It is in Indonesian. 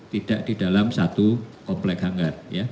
tidak di dalam satu komplek hanggar